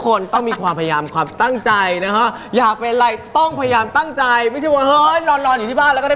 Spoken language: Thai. กุเรียงแถวเตียงมาเจิมได้เลย